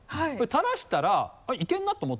垂らしたら「いけるな」と思って。